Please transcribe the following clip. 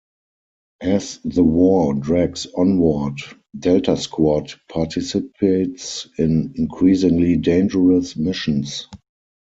As the war drags onward, Delta Squad participates in increasingly dangerous missions.